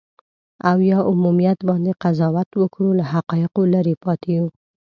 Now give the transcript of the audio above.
او یا عمومیت باندې قضاوت وکړو، له حقایقو لرې پاتې یو.